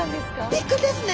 びっくりですね！